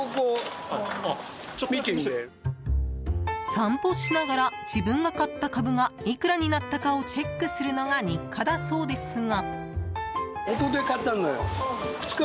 散歩しながら自分の買った株がいくらになったかをチェックするのが日課だそうですが。